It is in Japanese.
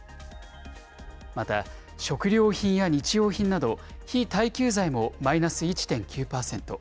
また、食料品や日用品など、非耐久財もマイナス１．９％。